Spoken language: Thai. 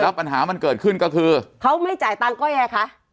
ปัญหามันเกิดขึ้นก็คือเขาไม่จ่ายตังค์ก็ยังไงคะ